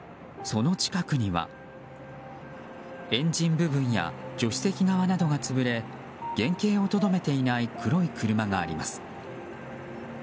その近くにはエンジン部分や助手席側などが潰れ原形をとどめていない黒い車があります。